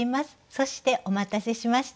そしてお待たせしました。